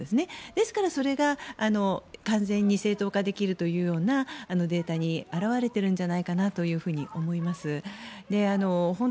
ですからそれが完全に正当化できるというデータに表れているのではないかと思います。